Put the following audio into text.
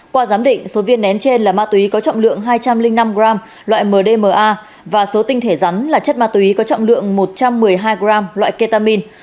qua giám định số viên nén trên là ma túy có trọng lượng hai trăm linh năm g loại mdma và số tinh thể rắn là chất ma túy có trọng lượng một trăm một mươi hai gram loại ketamin